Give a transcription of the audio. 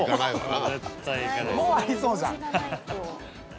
もうありそうじゃん。